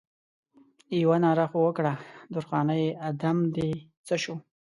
یوه ناره خو وکړه درخانۍ ادم دې څه شو؟